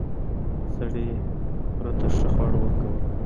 سړي خر ته ښه خواړه ورکول.